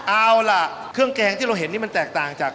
เอาล่ะเครื่องแกงที่เราเห็นนี่มันแตกต่างจาก